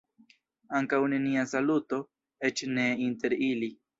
Ankaŭ nenia saluto, eĉ ne inter ili.